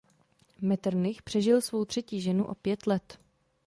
Metternich přežil svou třetí ženu o pět let.